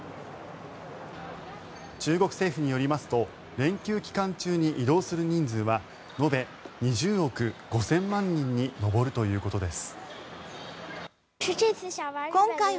中国政府によりますと連休期間中に移動する人数は延べ２０億５０００万人に上るということです。